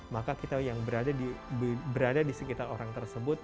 maka kita yang berada di sekitar orang tersebut